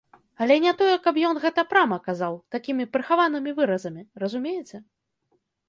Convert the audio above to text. Але не тое, каб ён гэта прама казаў, такімі прыхаванымі выразамі, разумееце.